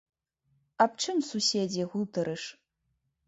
Аб чым, суседзе, гутарыш?